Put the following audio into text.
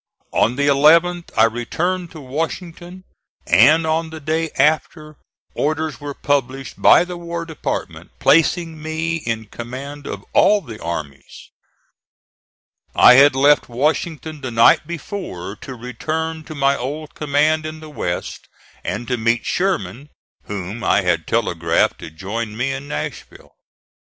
On the 11th I returned to Washington and, on the day after, orders were published by the War Department placing me in command of all the armies. I had left Washington the night before to return to my old command in the West and to meet Sherman whom I had telegraphed to join me in Nashville.